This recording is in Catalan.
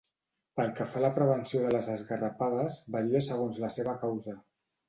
Pel que fa a la prevenció de les enrampades varia segons la seva causa.